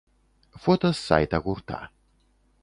Фота з сайта гурта.